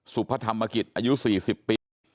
สุพธรรมกิจอายุ๔๐ปี